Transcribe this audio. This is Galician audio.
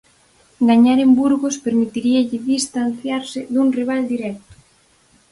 Gañar en Burgos permitiríalle distanciarse dun rival directo.